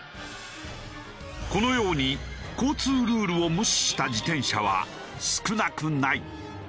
このように交通ルールを無視した自転車は少なくない。